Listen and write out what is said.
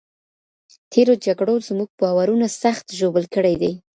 تېرو جګړو زموږ باورونه سخت ژوبل کړي دي.